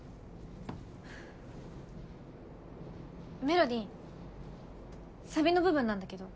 メロりんサビの部分なんだけど。